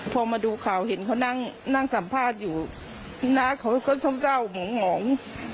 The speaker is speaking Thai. พอมาดูข่าวเห็นเขานั่งสัมภาษณ์อยู่หน้าเขาก็เศร้าหมอง